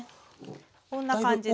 こんな感じで。